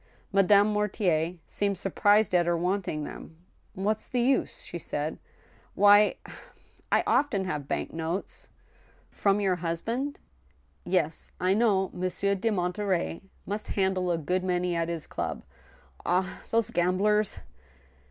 Madame Mortier seemed surprised at her wanting them. " What's the use ?" she said. " Why, ... I often have bank notes." "From your husband? Yes, I know Monsieur de Monterey must handle a good many at his club. ... Ah ! those gamblers